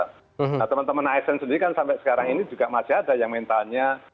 nah teman teman asn sendiri kan sampai sekarang ini juga masih ada yang mentalnya